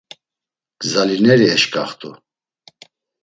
Gzalineri eşǩaxt̆u.